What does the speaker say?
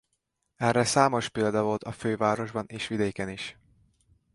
Erre számos példa volt a fővárosban és vidéken is.